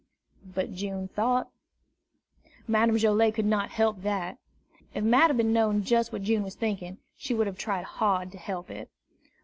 But June thought. Madame Joilet could not help that. If Madame had known just what June was thinking, she would have tried hard to help it.